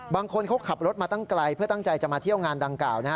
บางคนเขาขับรถมาตั้งไกลเพื่อตั้งใจจะมาเที่ยวงานดังกล่าวนะฮะ